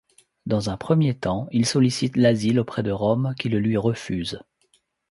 Dans un premier temps, il sollicite l'asile auprès de Rome, qui le lui refuse.